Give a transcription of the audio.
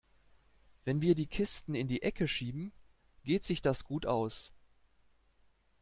Wenn wir die Kisten in die Ecke schieben, geht sich das gut aus.